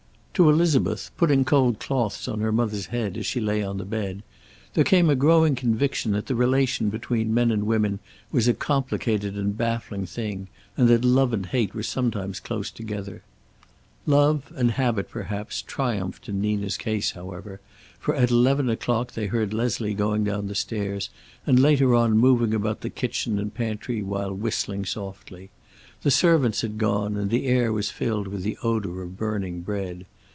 To Elizabeth, putting cold cloths on her mother's head as she lay on the bed, there came a growing conviction that the relation between men and women was a complicated and baffling thing, and that love and hate were sometimes close together. Love, and habit perhaps, triumphed in Nina's case, however, for at eleven o'clock they heard Leslie going down the stairs and later on moving about the kitchen and pantry while whistling softly. The servants had gone, and the air was filled with the odor of burning bread.